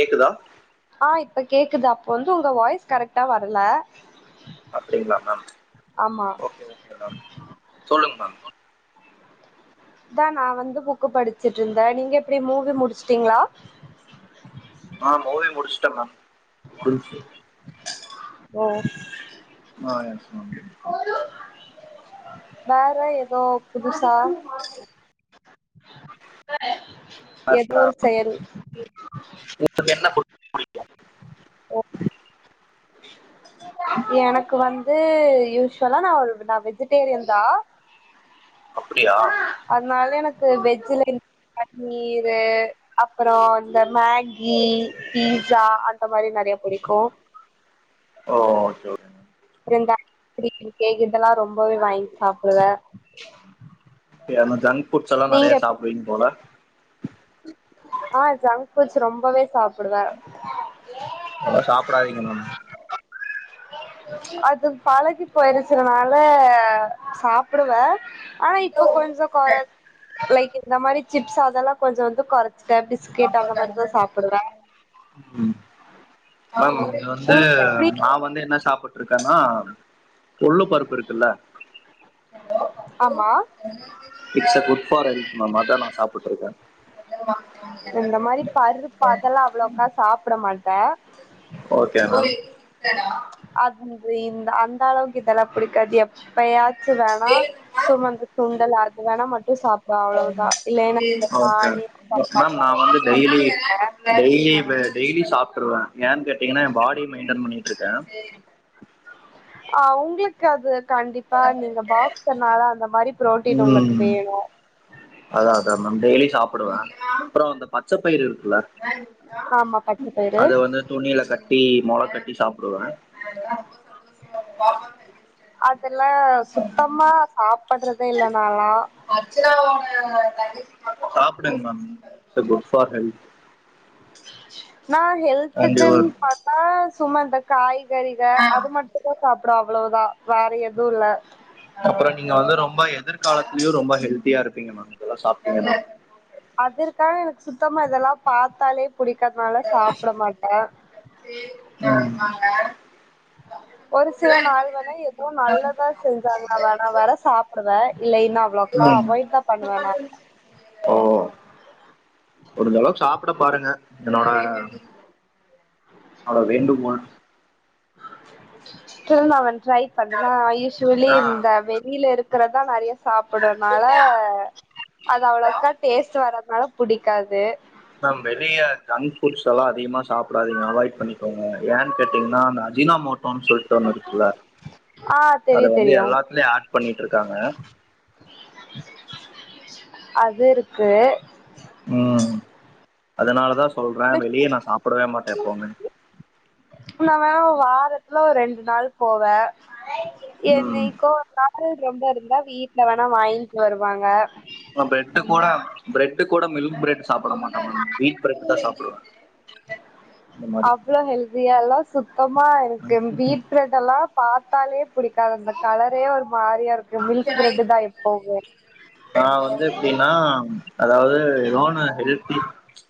கேக்குதா ஆ இப்ப கேக்குது அப்ப வந்து உங்க வாய்ஸ் கரெக்டா வரல அப்டிங்களா மேம் ஆமா ஓகே ஓகே மேம் சொல்லுங்க மேம் அதா நா வந்து புக்கு படிச்சிட்டு இருந்த நீங்க எப்டி மூவி முடிச்சிட்டீங்களா ஆ மூவி முடிச்ட்ட மேம் முடிஞ்சிசு ஓ ஆ எஸ் மைம் வேற ஏதோ புதுசா ஏதோ ஒரு செயல் [inaudible] ஓகே ம்? எனக்கு வந்து யூஸ்வலா நா ஒரு நா வெஜிடேரியன் தா அப்படியா அதனால எனக்கு வெஜ்ஜில பண்ணீரு அப்புறம் இந்த மேகி பீஸா அந்த மாதிரி நிறைய புடிக்கும் ஓ ஓகே ஓகே மேம். அப்புறம் இந்த [unintelligible] இதெல்லாம் ரொம்பவே வாங்கி சாப்பிடுவே ஓகே ஆனா ஜங்க் ஃபுட்ஸ் எல்லாம் நீங்க நிறைய எப்டி சாப்புடுவீங்க போல ஆ ஜங்க் ஃபுட்ஸ் ரொம்பவே சாப்பிடுவே அவ்ளவா சாப்டாதீங்க மேம் ஏன் அது பழகி போயிருச்சிறனால சாப்பிடுவே ஆனா இப்ப கொஞ்சம் குறை லைக் இந்த மாதிரி சிப்ஸ் அதெல்லாம் கொஞ்சம் வந்து குறைச்சிட்ட பிஸ்கட் அந்த மாதிரிதான் சாப்பிடுவேன் ம் இது வந்து உங்களுக்கு எப்டி நான் வந்து என்ன சாப்பட்டு ட்டுட்டு இருக்கன்னா கொள்ளு பருப்பு இருக்குல்ல ஆமா இட்ஸ்ஸ குட்ஃபார் ஹெல்த் மேம் அதா நா சாப்புட்டுருக்க இந்த மாரி பருப்பு அதெல்லா அவ்ளோக்கா சாப்புட மாட்ட ஓக்கே மேம் அத்திந் அந்தளவுக்கு இதெல்லா புடிக்காது எப் எப்யாச்சு வேணா சும்மா இந்த சுண்டல் அது வேணா மட்டு சாப் இது அவ்ளோதா இல்லன ஓகே மேம் நா வந்து டெய்லி [unintelligible] டெய்லி இத டெய்லி சாப்பிருனு ஏன் கேட்டீங்கன்னா என் பாடி மெயின்டென் பண்ணிட்டு இருக்கே ஆ அவுங்களுக்கு அது கண்டிப்பா நீங்க பாக்ஸ்சர்னால அந்த மாரி புரோட்டீன் உங்களுக்கு உம் வேணு அதா அதா மேம் டெய்லி சாப்பிடுவே அப்புறோ அந்த பச்ச பயிறு இருக்குல்ல ஆமா பச்ச பயிறு அது வந்து துணியில கட்டி மொள கட்டி சாப்பிடுவே அதுல சுத்தமா சாப்படுறதே இல்ல நால்லா ஆக்ச்சுவலா அவங்க [unintelligible] சாப்பிடுங்க ma'am it's good for health நா அண்ட் யுவர் ஹெல்துக்குன்னு பாத்தா சும்மாதா காய்கறிக அது மட்டுதா சாப்பிட அவ்வுளவுதா வேற எதுவு இல்ல அப்புறோ நீங்க வந்து ரொம்ப எதிர்காலத்தலயு ரொம்ப ஹெல்த்தியா இருப்பீங்க மேம் இதெல்லா சாப்பிட்டீங்கன்னா அது தா எனக்கு சுத்தமா இதெல்லா பாத்தாலே புடிக்காதனால சாப்பிட மாட்டே சேரி நாந்தாங்க ஒரு சில நாள்வந் எதுவு நல்லத்தா செஞ்சான்னா வேணா வேற சாப்பிடுவே இல்லைன்னா அவ்ளோக்கா உம் அவாய்ட் தா பண்ணுவ நா [unintelligible] ஓ ஒரு தடவ சாப்பிட்டு பாருங்க என்னோட என்னோட வேண்டுகோள் ஸ்டில் நா ஒன்ஸ் ட்ரை பண்ணுரே நா யூஸ்வலி ஆ இந்த வெளியில இருக்கிறதா நறையா சாப்படுறனால அது அவ்ளவுக்கா டேஸ்ட் வர்ரதுனால புடிக்காது மேம் வெளிய ஜங்க் ஃபுட்ஸ் எல்லா அதிகமா சாப்பிடாதீங்க அவாய்ட் பண்ணிக்கோங்க ஏன் கேட்டிங்கன்னா அந்த அஜினா மோட்டோன்னு சொல்லிட்டு ஒன்னு இருக்குதுல்ல ஆ அதை தெரியு வந்து தெரியு எல்லாத்துலேயு ஏட் பண்ணிட்டு இருக்காங்க அது இருக்கு உம் அதனாலதா சொல்றே வெளியே நா சாப்பிடவே மாட்டேன் எப்பவுமே நா வேணா வாரத்துல ஒரு ரெண்டு நாள் போவே ம் என்னைக்கோ ஒரு நாள் ரொம்ப இருந்தா வீட்டுல வேணா வாங்கிட்டு வருவாங்க ஆ பிர்ரெட் கூட பிரரெட்டு கூட மில்க் பிரட் சாப்பிட மாட்ட வீட் பிரட் தா சாப்பிடுவே அவ்ளோ ஹெல்தியாலா சுத்தமா எனக்கு வீட் பிரெட் இதெல்லா பாத்தாலே பிடிக்காது அந்த கலரே ஒரு மாரியா இருக்கு மில்க் பிரெட்டு தா எப்போமே நா வந்து எப்டின்னா அதாவது ஏதோன்னு ஹெல்தி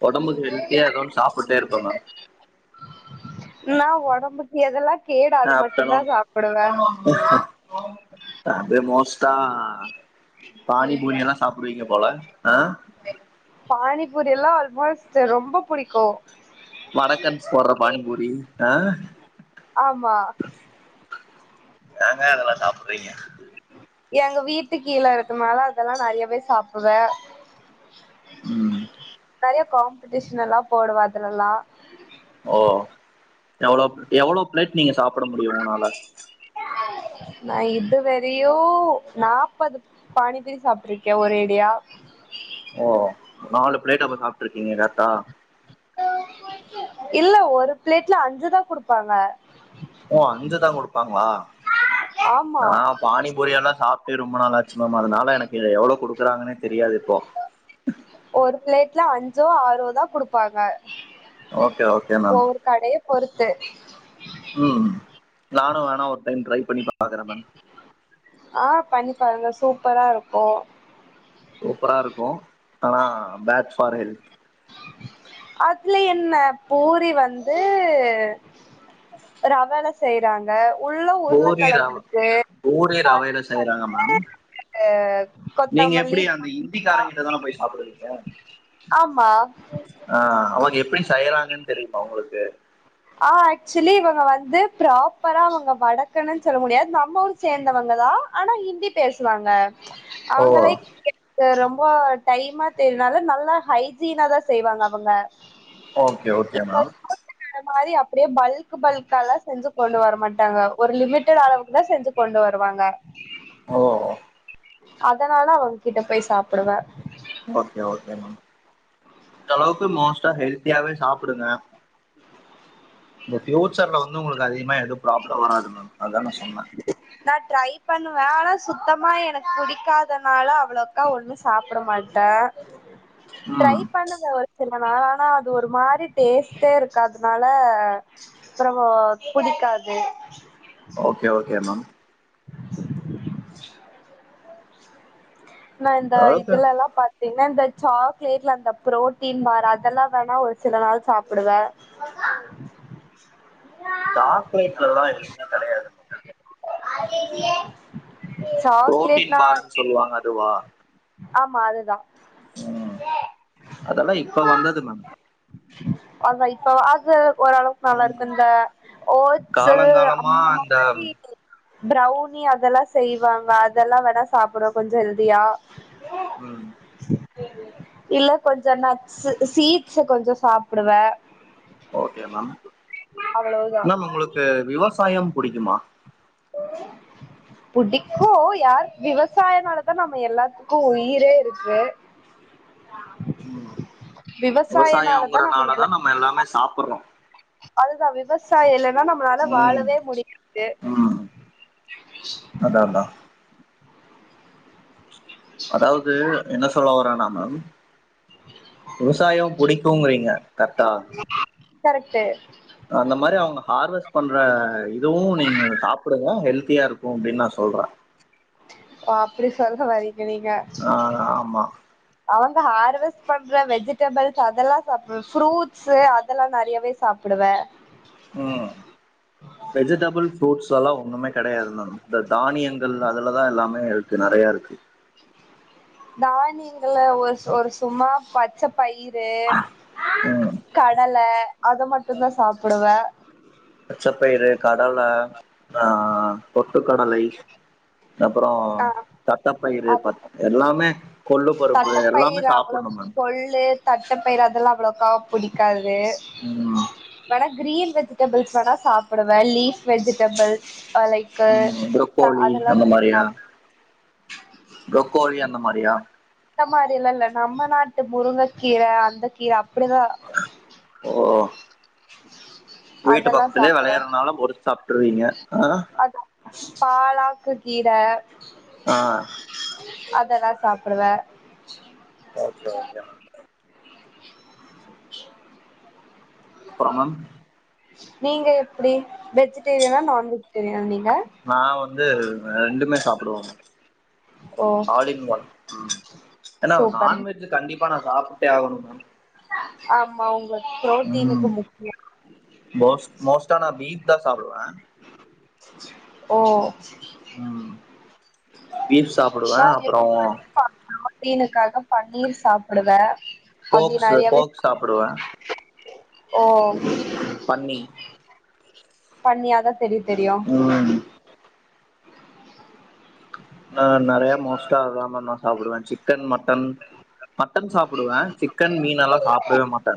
ஒடம்புக்கு ஹெல்த்தியா ஏதோ ஒன்னு சாப்புட்டே இருப்ப மேம் நா ஒடம்புக்கு எதெல்லா கேடு அது மட்டுந்தா ஆஃப்டர்நூன் சாப்டுவே அது மோஸ்ட்டா பாணி பூரி எல்லா சாப்டுவீங்க போல ஆ பானி பூரில்லா ஆல்மோஸ்ட்டு ரொம்ப புடிக்கு வடக்கன்ஸ் போட்ற பானிபூரி ஆ ஆமா ஏங்க அதெல்லா சாப்ட்றிங்க எங்க வீட்டு கீழ இருக்கநாலா அதெல்லா நெறையவே சாப்புடுவே ம் நெறையா காம்பிடிஷனலா போடுவே அதுலல்லா ஓ எவ்ளோ எவ்ளோ பிளேட் நீங்க சாப்ட முடியு உங்னால நா இதுவரையு நாப்பது பானிபூரி சாப்ட்டுருக்கே ஒரேடியா ஓ நாலு பிளேட் அப்ப சாப்ட்ருக்கீங்க கரெக்ட்டா இல்ல ஒரு பிளேட்ல அஞ்சுதா குடுப்பாங்க ஓ அஞ்சுதா குடுப்பாங்களா ஆமா நா பானிபூரி எல்லா சாப் டே ரொம்ப நாளாச்சு மேம் அதனால எனக்கு எவ்ளோ குடுக்குறாங்னே தெரியாது இப்போ ஒரு பிளேட்ல அஞ்சோ ஆறோதா குடுப்பாங்க ஓகே ஓகே மேம் ஒவ்வொரு கடைய பொறுத்து ம் நானு வேணா ஒரு டைம் ட்ரை பண்ணி பாக்குறே மேம் ஆ பண்ணி பாருங்க சூப்பரா இருக்கு சூப்பராருக்கு ஆனா பேட் ஃபார் ஹெல்த் அதுல என்ன பூரி வந்து ரவைல செய்றாங்க உள்ள பூரி உருளக்கழங்கு ரவ இருக்கு பூரி ரவையில தண்ணி செய்யறாங்க வந்து மேம் இது நீங்க கொத்தமல்லி எப்டி அந்த புதினா இந்திக்காரங்கிட்ட தான போய் சாப்டுவீங்க ஆமா ஆ அவுங்க எப்டி செய்யறாங்கன் தெரிமா உங்ளுக்கு ஆ ஆக்சுலி இவங்க வந்து ப்ராப்பரா அவங்க வடக்கணன் சொல்ல முடியாது நம்ம ஊரு சேந்தவங்கதா ஆனா இந்தி பேசுவாங்க ஓ அவங்களைக் இது ரொம்போ டைமா தெரினால நல்லா ஹைஜீனா தா செய்வாங்க அவங்க ஓகே ஓகே இந்த மேம் மாரி அப்டே பல்க் பல்காலா செஞ்சு கொண்டு வர மாட்டாங்க ஒரு லிமிட்டட் அளவுக்கு தா செஞ்சு கொண்டு வருவாங்க ஓ அதனால அவங்கிட்ட போய் சாப்டுவே ஓகே ஓகே மேம் முடிஞ்சளவுக்கு மோஸ்ட்டா ஹெல்தியாவே சாப்புடுங்க உங்க ஃபியூச்சர்ல வந்து உங்களுக்கு அதிகமா எது ப்ராப்ளம் வராது மேம் அதா நா சொன்ன நா ட்ரை பண்ணுவே ஆனா சுத்தமா எனக்கு புடிக்காதனால அவ்ளோ க்கா ஒன்னு சாப்ட மாட்டே ட்ரை ம் பண்ணுவே ஒரு சில நா ஆனா அது ஒரு மாரி டேஸ்ட்டே இருக்காதனால அப்றமோ புடிக்காது ஓகே ஓகே மேம் நா இந்த ஓகே இதுலலா பாத் திங்னா இந்த சாக்லேட்ல அந்த ப்ரோட்டீன் மாரி அதெல்லா வேணா ஒரு சில நாள் சாப்டுவே சாக்லேட்லலா எதுமே கெடையாது புரோட்டீன் சாக்லேட்னா பார்னு சொல்லுவாங்க அதுவா ஆமா அதுதா ம் அதெல்லாம் இப்ப வந்தது மேம் அதா இப்போ அது ஒரளவு ம் நல்லாருக்கு இந்த ஓட்சு அந்த மாதிரி ப்ரௌனி அதெல்லா செய்வாங்க அதெல்லா வேணா சாப்றோ கொஞ்சோ ஹெல்த் தியா ம் இல்ல கொஞ்சோ நட்ஸ் சீட்ஸ் கொஞ்சோ சாப்டுவ ஓகே மேம் அவ்ளோதா மேம் உங்களுக்கு விவசாயம் புடிக்குமா புடிக்கு யார் விவசாயனாலதா நம்ம எல்லாத்துக்கு உயிரே இருக்கு ம் விவசாயனாலதா நம்ம விவசாயம்ங்கிறனால இங்கல்லா தான் எல்லாமே சாப்புறோ அதுதா விவசாயோ இல்லனா நம்மளால ம் வாழவே முடியாது அதா அதா அதாவது என்ன சொல்ல வர்ரனா மேம் விவசாயோ புடிக்குங்றீங்க கர்ட்டா கரெக்ட்டு அந்த மாரி அவுங்க ஹார்வெஸ் பண்ற இதுவு நீங்க சாப்டுங்க ஹெல்த்தியா இருக்கு அப்டின் நா சொல்ற ஓ அப்டி சொல்ல வரீங்க நீங்க அ ஆமா அவுங்க ஹார்வெஸ்ட் பண்ற வெஜிடபிள்ஸ் அதெல்லா சாப்டுவேன் ஃப்ரூட்ஸ் அதெல்லா நெறையவே சாப்டுவேன் வெஜிடபள்ஸ் ஃப்ரூட்ஸ் எல்லா ஒன்னுமே கெடையாது மேம் இந்த தானியங்கள் அதுலதா எல்லாமே இருக்கு நெறையா இருக்கு தானியங்கள்ல ஒரு ஒரு சும்மா பச்ச பயிரு, ம் கடல அத மட்டுந்தா சாப்டுவேன் பச்சப்பயிறு, கடலை ஆ பொட்டுக்கடலை அப்றோ ஆ தட்டப்பயிறு அது ப எல்லாமே கொள்ளு பருப்பு எல்லாமே தட்டப்பயிர் அவ்ளோ சாப்பணும் மேம் கொள்ளு தட்ட பயிரு அதெல்லா அவ்ளக்கா புடிக்காது ம் ஆனா கிரீன் வெ ஜிடபிள்ஸ் வேணா சாப்டுவேன் லீஃப் வெஜிடபிள் லைக் ம் ப்ரோக்கோலி அந்த மாரியா ப்ரோக்கோலி அந்த மாரியா அந்த மாறியெல்லா இல்ல நம்ம நாட்டு முருங்க கீர அந்த கீ அப்டிதா ஓ வீட்டு அதெல்லா பக்கத்துலயே சாப்புடுவே வெளையறதுனால பொறிச்சு சாப்ட்டுருவீங்க ஆ அது பாலாக்கு கீர ஆ அதெல்லா சாப்டுவேன் ஓகே ஓகே மேம் அப்றம் மேம் நீங்க எப்பக்ஷடி வெஜிடேரியனா நான்வெஜிடேரியனா நீங்க நான் வந்து ரெண்டுமே சாப்டுவேன் மேம் ஓ ஆல் இன் ஒன் ஏனா சூப்பர் நான்வெஜ் கண்டிப்பா நா சாப்ட்டே ஆகணும் மேம் ஆமா உங்க ம் மோஸ் மோஸ்டா நா பீஃப்தா சாப்டுவேன் ஓ ம் பீப் சாப்புடுவே அப்பறோ ரீனுக்காக பன்னீர் சாப்புடுவே அப்டி போக்ஸ் நெறையாவே போக் சாப்டுவே ஓ பன்னி பண்ணியாதா தெர்யு தெரியு ம் ஆ நெறையா மோஸ்ட்டா அதா மேம் நா சாப்புடுவே சிக்கன் மட்டன் மக் ட்டன் சாப்புடுவே சிக்கன் மீன் எல்லா சாப்டவே மாட்டே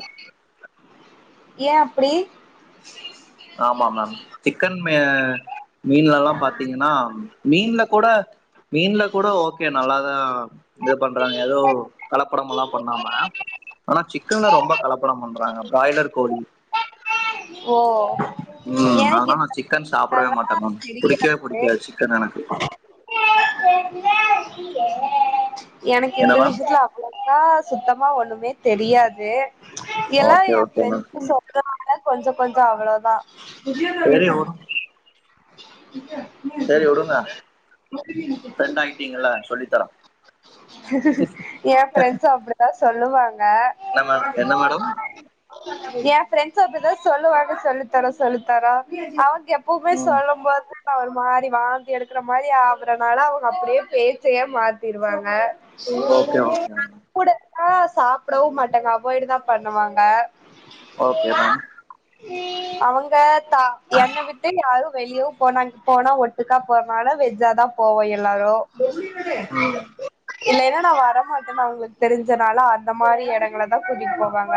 ஏ அப்படி ஆமா மேம் சிக்கன் மே மீன்லலல்லா பாத்தீங்கினா மீன்ல கூட மீன்ல கூட ஓகே நல்லாதா து பண்றாங்க எதோ கலப்படமல்லா பண்ணாம ஆனா சிக்கன்ல ரொம்ப கலப்படம் பண்றாங்க ப்ராய்லர் கோழி ஓ ம் எனக்கு அதனால எத் நா சிக்கன் சாப்படவே மாட்டே மேம் புடிக்கே புடிக்காது சிக்கன் எனக்கு எனக்கு என்ன இந்த மேம் விஷயத்துல அவ்வளோதான் சுத்தமா ஒண்ணுமே தெரியாது எல்லாம் ஓகே என் ஓகே மேம் பிரரெண்ட் சொல்றன கொஞ்சம் கொஞ்சம் அவ்வளவுதான் சரி உடு [unintelligible] சரி [unintelligible] க்கிங்கள சொல்லித்தரோ என் ஃப்ரெண்ஸு அப்படிதா சொல்லுவாங்க என்னமேட என்ன மேடம் என் ஃப்ரெண்ட்ஸ் அப்படித்தான் சொல்லுவாக சொல்லித்தர சொல்லித்தர அவங்க ப்புமே ம் சொல்லும்போது அவர் மாரி வாந்தி எடுக்கற மாரி ஆகுறனால அவங்க அப்படியே பேச்சையே மாத்திருவாங்க ஓகே ஓகே மேம் கூடாலாம் சாப்பிடவும் மாட்டாங்க அவாய்டு தான் பண்ணுவாங்க ஓகே மேம் அவங்க தா என்ன விட்டு யாரு வெளியவு போனாங்கு போனா ஒட்டுக்கா போற்னால வெஜ்ஜாதா போவோ எல்லாளு ம் இல்லனா நான் வரமாட்டேன்னு அவங்களுக்கு தெரிஞ்சனால அந்த மாரி இடங்கள தான் கூட்டிட்டு போவாங்க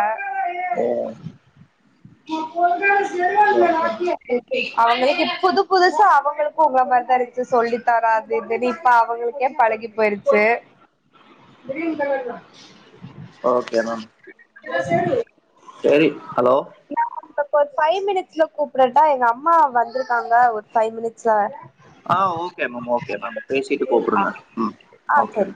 ஏ [unintelligible] யோகென் அவங்களுக்கு புது புதுசா அவங்களுக்கும் உங்கள மாரி தான் இருச்சு சொல்லி தராது இப்ப அவங்களுக்கே பழகி போயிருச்சு ஓகே மேம் செரி ஹலோ நப்ப ஒரு பஃபைவ் மினிட்ஸ்ல கூப்பறட்டா எங்க அம்மா வந்திருக்காங்க ஒரு பஃபைவ் மினிட்ஸ்ல ஆ ஓகே மேம் ஓகே மேம் பேசிட்டு கூப்புடுங்க உம் ஆ சரி